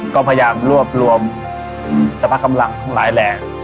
ก็พยายามรวบรวมสรรพกำลังทั้งหลายแหล่ง